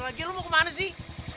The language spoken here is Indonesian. wakil lu mau kemana sih